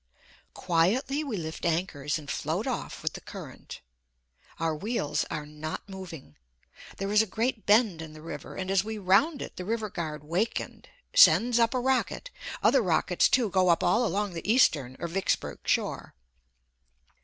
Quietly we lift anchors and float off with the current. Our wheels are not moving. There is a great bend in the river, and as we round it the river guard wakened, sends up a rocket, other rockets too go up all along the eastern or Vicksburg shore.